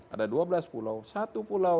ada dua belas pulau satu pulau